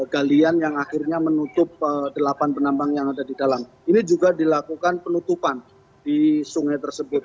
galian yang akhirnya menutup delapan penambang yang ada di dalam ini juga dilakukan penutupan di sungai tersebut